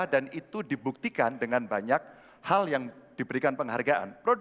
dan itu dibuktikan dengan banyak hal yang diberikan penghargaan